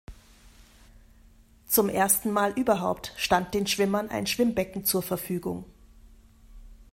Zum ersten Mal überhaupt stand den Schwimmern ein Schwimmbecken zur Verfügung.